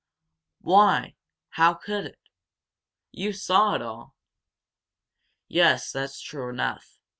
"Why, how could I? You saw it all!" "Yes, that's true enough.